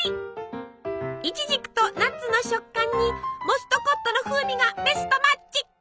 イチジクとナッツの食感にモストコットの風味がベストマッチ！